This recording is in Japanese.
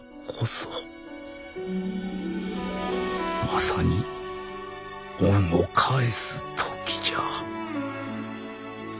まさに恩を返す時じゃ。